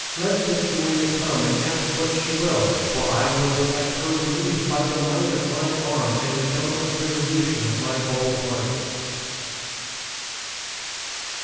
Let this duenna come and ask what she will, for I will effect her relief by the might of my arm and the dauntless resolution of my bold heart."